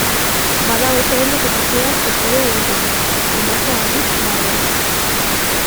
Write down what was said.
Bada oso ondo zetorkidan estereo egiteko, kontrasteagatik barreak.